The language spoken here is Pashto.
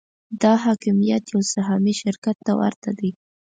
دا حاکمیت یو سهامي شرکت ته ورته دی.